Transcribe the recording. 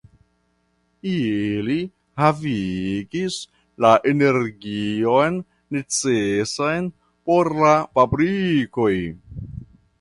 Ili havigis la energion necesan por la fabrikoj.